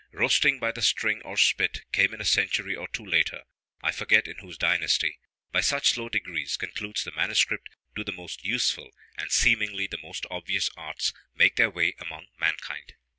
Roasting by the string, or spit, came in a century or two later, I forget in whose dynasty. By such slow degrees, concludes the manuscript, do the most useful, and seemingly the most obvious arts, make their way among mankind.